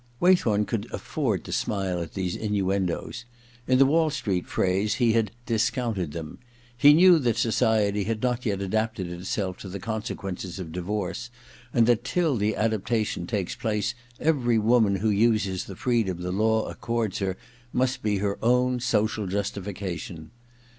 Waythorn could afFord to smile at these innuendoes. In the Wall Street phrase, he had * discounted * them. He knew that society has not yet adapted itself to the consequences of divorce, and that till the adaptation takes place every woman who uses the freedom the law accords her must be her own social justification.